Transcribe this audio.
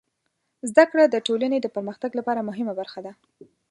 زدهکړه د ټولنې د پرمختګ لپاره مهمه برخه ده.